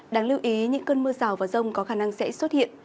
đáng lưu ý những cơn mưa rào và rông có khả năng sẽ xuất hiện